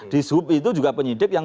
di sub itu juga penyidik yang